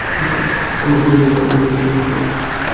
আমরা কোথায় বসব, ক্যাট?